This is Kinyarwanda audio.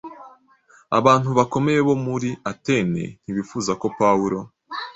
Abantu bakomeye bo mu Atene ntibifuzaga ko Pawulo,